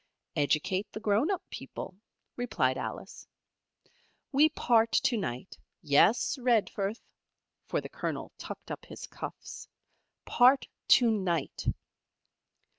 "Educate the grown up people," replied Alice. "We part to night. Yes, Redforth," for the Colonel tucked up his cuffs, "part to night!